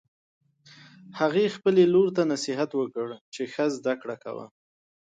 هغې خپل لور ته نصیحت وکړ چې ښه زده کړه کوه